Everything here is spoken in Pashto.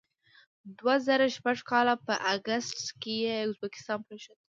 دوه زره شپږ کال په اګست کې یې ازبکستان پرېښود.